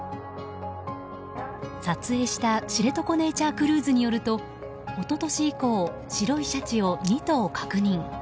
撮影した知床ネイチャークルーズによると一昨年以降、白いシャチを２頭確認。